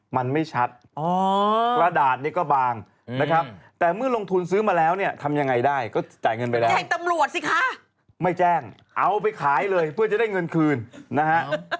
ไม่แจ้งเอาไปขายเลยเพื่อจะได้เงินคืนนะฮะ